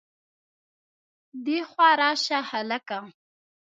دېخوا راشه هلکه